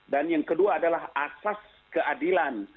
dan yang kedua adalah asas keadilan